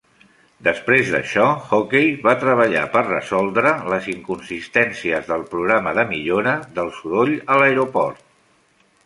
Després d'això, Hockey va treballar per resoldre les inconsistències del programa de millora del soroll a l'aeroport.